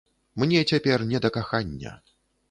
Мне цяпер не да кахання!